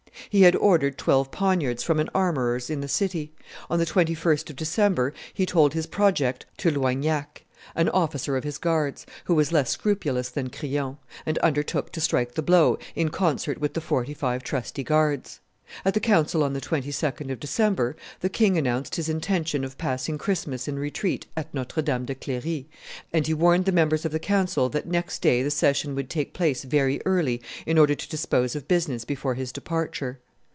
He had ordered twelve poniards from an armorer's in the city; on the 21st of December he told his project to Loignac, an officer of his guards, who was less scrupulous than Crillon, and undertook to strike the blow, in concert with the forty five trusty guards. At the council on the 22d of December, the king announced his intention of passing Christmas in retreat at Notre Dame de Cleri, and he warned the members of the council that next day the session would take place very early in order to dispose of business before his departure.